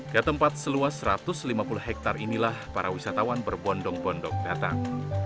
ke tempat seluas satu ratus lima puluh hektare inilah para wisatawan berbondong bondong datang